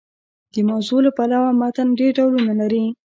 د موضوع له پلوه متن ډېر ډولونه لري.